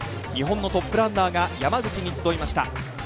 日本のトップランナーが山口に集いました。